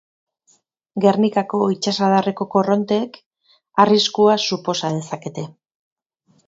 Gernikako itsasadarreko korronteek, arriskua suposa dezakete.